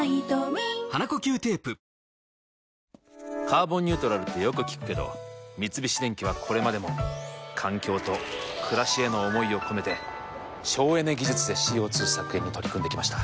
「カーボンニュートラル」ってよく聞くけど三菱電機はこれまでも環境と暮らしへの思いを込めて省エネ技術でＣＯ２削減に取り組んできました。